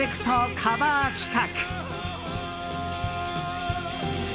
カバー企画。